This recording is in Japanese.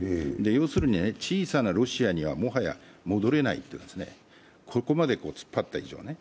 要するに小さなロシアにはもはや戻れない、ここまで突っ張った以上ね。